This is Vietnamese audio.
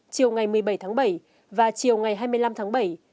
chiều ngày một mươi bảy tháng bảy và chiều ngày hai mươi năm tháng bảy